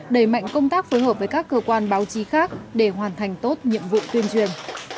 đẩy mạnh công tác phối hợp với các cơ quan báo chí khác để hoàn thành tốt nhiệm vụ tuyên truyền